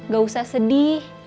gak usah sedih